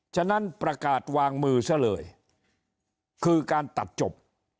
ฉะนั้นประกาศวางมือซะเลยคือการตัดจบ